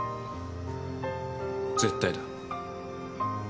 絶対だ。